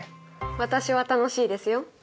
私は楽しいですよ。